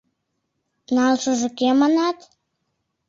Налшыже кӧ, манат?